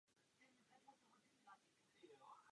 Mužstvo ve všech utkáních vedl Josef Fanta.